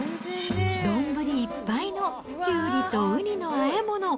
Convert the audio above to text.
丼いっぱいのきゅうりとウニのあえもの。